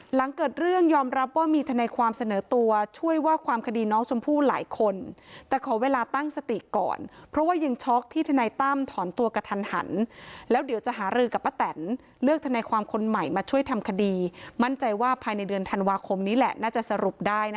หลังเกิดเรื่องยอมรับว่ามีทนายความเสนอตัวช่วยว่าความคดีน้องชมพู่หลายคนแต่ขอเวลาตั้งสติก่อนเพราะว่ายังช็อกที่ทนายตั้มถอนตัวกระทันหันแล้วเดี๋ยวจะหารือกับป้าแตนเลือกทนายความคนใหม่มาช่วยทำคดีมั่นใจว่าภายในเดือนธันวาคมนี้แหละน่าจะสรุปได้นะ